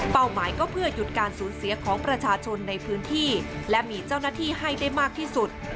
หมายก็เพื่อหยุดการสูญเสียของประชาชนในพื้นที่และมีเจ้าหน้าที่ให้ได้มากที่สุด